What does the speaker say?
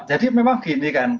jadi memang gini kan